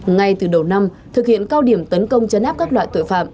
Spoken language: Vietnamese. ngay từ đầu năm thực hiện cao điểm tấn công chấn áp các loại tội phạm